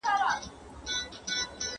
څوک غواړي نوی ولسمشر په بشپړ ډول کنټرول کړي؟